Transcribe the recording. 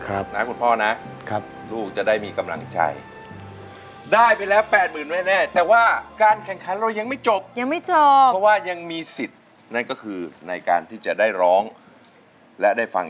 อันนี้มันย่วงไหมเป็นรอยยิ้มที่แสนหวาน